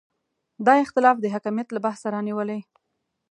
دا اختلاف د حکمیت له بحثه رانیولې.